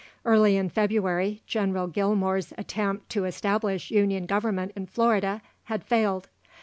Early in February, General Gillmore's attempt to establish Union government in Florida had failed.